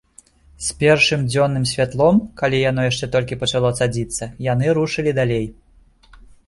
З першым дзённым святлом, калі яно яшчэ толькі пачало цадзіцца, яны рушылі далей.